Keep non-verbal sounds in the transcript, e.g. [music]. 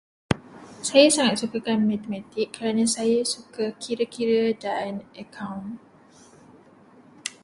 [noise] Saya sangat sukakan matematik kerana saya suka kira-kira dan akaun. [noise]